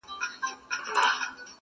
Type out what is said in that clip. تر ننګرهار، تر کندهار ښکلی دی!!